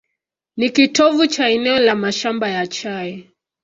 Ni kitovu cha eneo la mashamba ya chai.